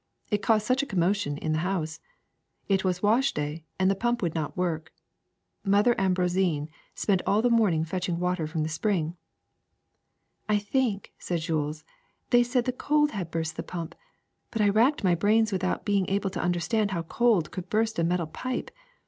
It caused such a commotion in the house ! It was wash day, and the pump would not work. Mother Ambroisine spent all the morning fetching water from the spring. '' ^^I think,'' said Jules, *^they said the cold had burst the pump ; but I racked my brains without be ing able to understand how cold could burst a metal pipe.